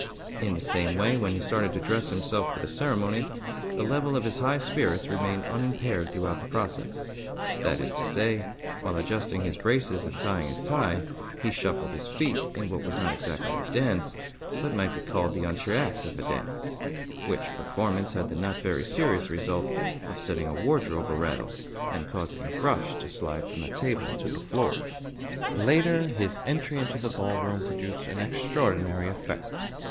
In the same way, when he started to dress himself for the ceremony, the level of his high spirits remained unimpaired throughout the process. That is to say, while adjusting his braces and tying his tie, he shuffled his feet in what was not exactly a dance, but might be called the entr'acte of a dance: which performance had the not very serious result of setting a wardrobe a rattle, and causing a brush to slide from the table to the floor. Later, his entry into the ballroom produced an extraordinary effect.